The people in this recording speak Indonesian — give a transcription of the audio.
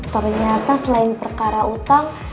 ternyata selain perkara utang